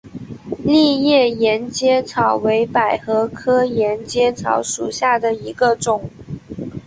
丽叶沿阶草为百合科沿阶草属下的一个种。